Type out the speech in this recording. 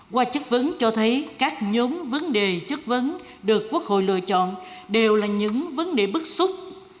qua chất vấn cho thấy các nhóm vấn đề chất vấn được quốc hội lựa chọn đều là những vấn đề bức xúc